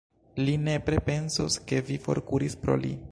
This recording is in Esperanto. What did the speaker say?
Li nepre pensos, ke vi forkuris pro li!